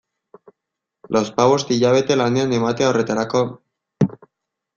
Lauzpabost hilabete lanean ematea horretarako...